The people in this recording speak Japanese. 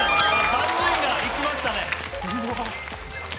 ３人がいきましたね。